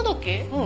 うん。